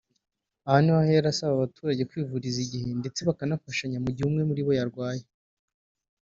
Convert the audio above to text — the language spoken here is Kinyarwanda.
Aha niho ahera asaba abaturage kwivuriza igihe ndetse bakanafashanya mu gihe umwe muri bo yarwaye